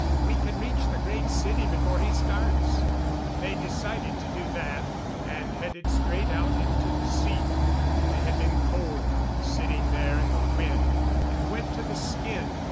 We can reach the Great City before he starts." They decided to do that, and headed straight out into the sea. They had been cold, sitting there in the wind, and wet to the skin.